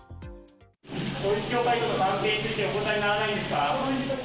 旧統一教会との関係についてお答えにならないんですか。